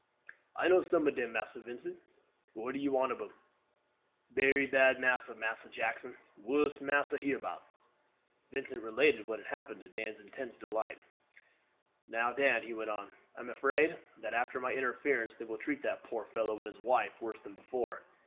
"I know some ob dem, Massa Vincent. What you want ob dem? Berry bad master, Massa Jackson. Wust master hereabouts." Vincent related what had happened, to Dan's intense delight. "Now, Dan," he went on, "I am afraid that after my interference they will treat that poor fellow and his wife worse than before.